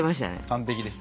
完璧です。